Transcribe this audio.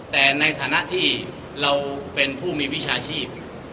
แต่ในฐานะที่เราเป็นผู้มีวิชาชีพ